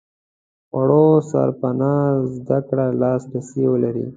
خوړو سرپناه زده کړې لاس رسي ولري.